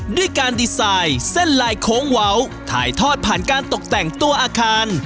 ด้วยการดีไซน์เส้นลายโค้งเว้าถ่ายทอดผ่านการตกแต่งตัวอาคาร